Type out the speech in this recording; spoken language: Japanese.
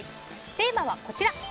テーマはこちら。